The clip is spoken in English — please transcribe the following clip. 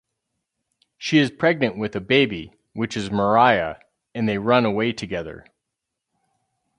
She's pregnant with a baby, which is Mariah, and they run away together.